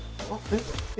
えっ？